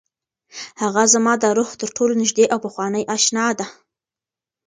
هغه زما د روح تر ټولو نږدې او پخوانۍ اشنا ده.